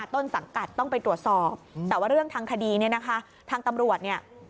ต้องต้องไปตรวจสอบแต่ว่าเรื่องทางคดีทางตำรวจ